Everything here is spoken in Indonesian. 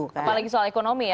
apalagi soal ekonomi ya